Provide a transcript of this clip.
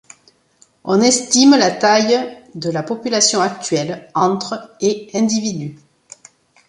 On estime la taille de la population actuelle entre et individus.